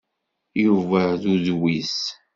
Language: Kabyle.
Yuba d udwis.